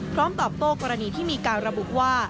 พร้อมตอบโตกรณีที่มีการระบุว่า